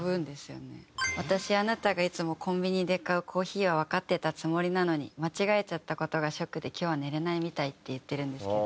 「私あなたがいつもコンビニで買うコーヒーは分かってたつもりなのに間違えちゃったことがショックで今日は寝れないみたい」って言ってるんですけど。